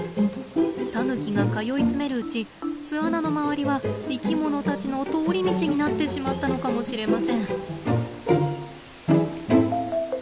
タヌキが通い詰めるうち巣穴の周りは生きものたちの通り道になってしまったのかもしれません。